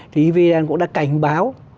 thì evn cũng đã cảnh báo